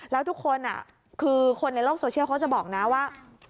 แล้วทุกคนคือคนในโลกโซเชียลเขาจะบอกนะว่า